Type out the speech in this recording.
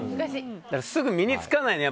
すぐ身に着かないのよ。